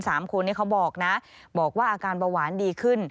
สามคนนี้เขาบอกนะบอกว่าอาการเบาหวานดีขึ้น